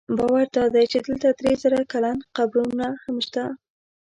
باور دا دی چې دلته درې زره کلن قبرونه هم شته.